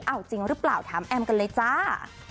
เอาจริงหรือเปล่าถามแอมกันเลยจ้า